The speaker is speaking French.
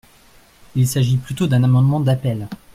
Il s’agit plutôt d’un amendement d’appel.